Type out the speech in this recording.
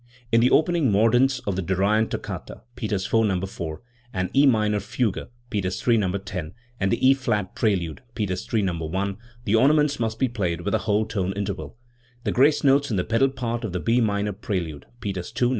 In the opening mordents of the Dorian toccata (Peters IV, No. 4), the E minor fugue (Peters III, No. 10), and the E flat prelude (Peters III, No. i), the ornaments must be played with a whole tone interval. The grace notes in the pedal part of the B minor prelude (Peters II, No.